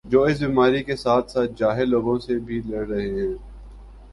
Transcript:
جو اس بیماری کے ساتھ ساتھ جاہل لوگوں سے بھی لڑ رہے ہیں